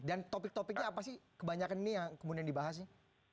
dan topik topiknya apa sih kebanyakan ini yang kemudian dibahas sih